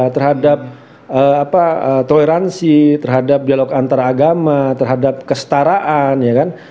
terhadap toleransi terhadap dialog antaragama terhadap kestaraan